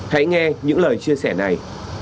hãy nghe những lời chia sẻ này